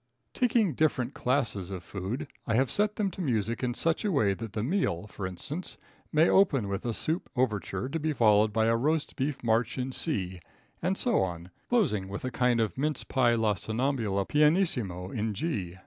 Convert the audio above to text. Taking different classes of food, I have set them to music in such a way that the meal, for instance, may open with a Soup Overture, to be followed by a Roast Beef March in C, and so on, closing with a kind of Mince Pie La Somnambula pianissimo in G.